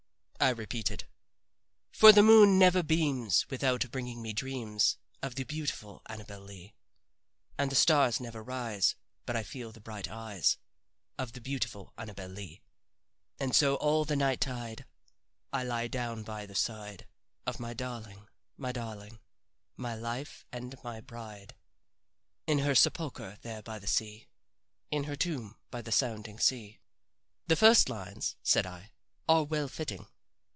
I repeated: "'For the moon never beams, without bringing me dreams Of the beautiful Annabel Lee; And the stars never rise, but I feel the bright eyes Of the beautiful Annabel Lee; And so all the night tide, I lie down by the side Of my darling my darling my life and my bride In her sepulcher there by the sea, In her tomb by the sounding sea.' The first lines," said I, "are well fitting.